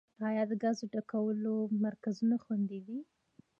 آیا د ګازو ډکولو مرکزونه خوندي دي؟